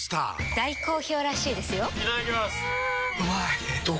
大好評らしいですよんうまい！